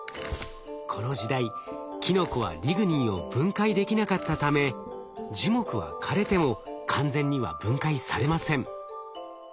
この時代キノコはリグニンを分解できなかったため樹木は枯れても完全には分解されません。